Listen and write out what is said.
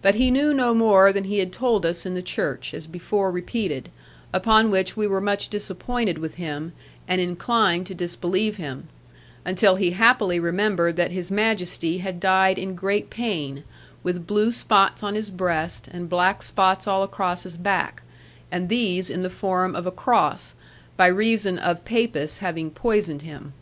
But he knew no more than he had told us in the church, as before repeated: upon which we were much disappointed with him, and inclined to disbelieve him; until he happily remembered that His Majesty had died in great pain, with blue spots on his breast and black spots all across his back, and these in the form of a cross, by reason of Papists having poisoned him.